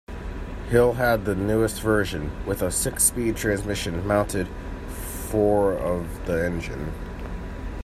Hill had the newest version, with a six-speed transmission mounted fore of the engine.